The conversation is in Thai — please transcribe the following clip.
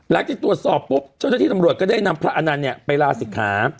แล้วที่ตรวจสอบปุ๊บเจ้าเจ้าที่นำพระอานันตร์เนี่ยไปลาศิกษา